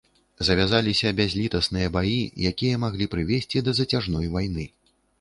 Завязаліся бязлітасныя баі, якія маглі прывесці да зацяжной вайны.